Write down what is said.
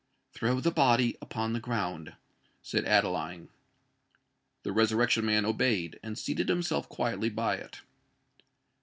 "Throw the body upon the ground," said Adeline. The Resurrection Man obeyed, and seated himself quietly by it.